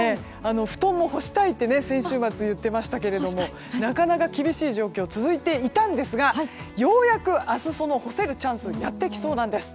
布団も干したいって先週末言っていましたけれども厳しい状況が続いていたんですがようやく明日、干せるチャンスがやってきそうなんです。